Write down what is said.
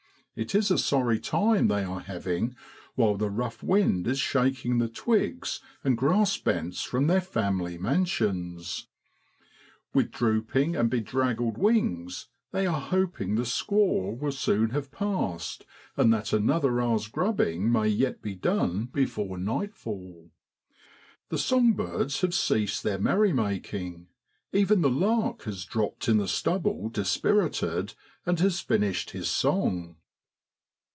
It is a sorry time they are having while the rough wind is shaking the twigs and grass bents from their family mansions. With drooping and be draggled wings they are hoping the squall will soon have passed, and that another hour's grubbing may be yet done before nightfall. The song birds have ceased their merrymaking, even the lark has dropped in the stubble dispirited and has finished his song.